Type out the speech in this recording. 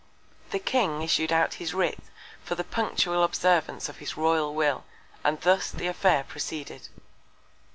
The King issued out his Writ for the punctual Observance of his Royal Will; and thus the Affair proceeded.